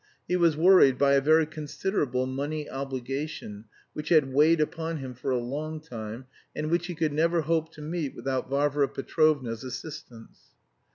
He was worried by a very considerable money obligation, which had weighed upon him for a long time and which he could never hope to meet without Varvara Petrovna's assistance.